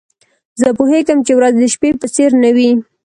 زه پوهیږم چي ورځ د شپې په څېر نه وي.